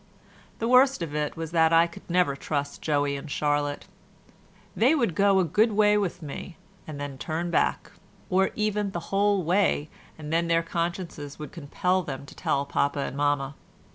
The worst of it was that I could never trust Joey and Charlotte; they would go a good way with me and then turn back, or even the whole way and then their consciences would compel them to tell papa and mamma.